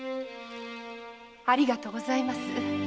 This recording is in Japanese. ありがとうございます。